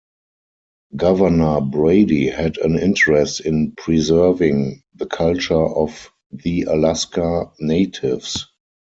Governor Brady had an interest in preserving the culture of the Alaska natives.